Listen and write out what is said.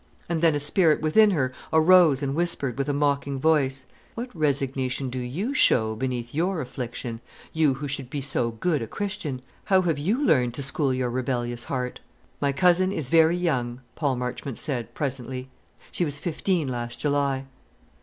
And then a spirit within her arose and whispered, with a mocking voice, "What resignation do you show beneath your affliction, you, who should be so good a Christian? How have you learned to school your rebellious heart?" "My cousin is very young," Paul Marchmont said, presently. "She was fifteen last July."